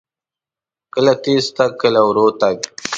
کله تیز تګ، کله ورو تګ.